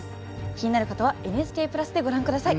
気になる方は「ＮＨＫプラス」でご覧下さい。